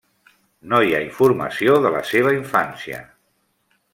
No hi ha informació de la seva infància.